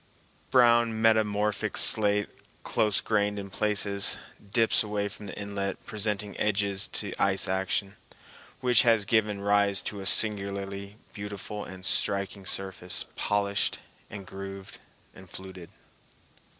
Brown metamorphic slate, close grained in places, dips away from the inlet, presenting edges to ice action, which has given rise to a singularly beautiful and striking surface, polished and grooved and fluted.